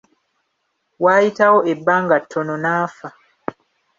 Waayitawo ebbanga ttono n'afa!